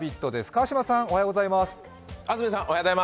安住さん、おはようございます。